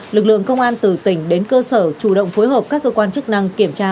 lực lượng công an từ tỉnh đến cơ sở chủ động phối hợp các cơ quan chức năng kiểm tra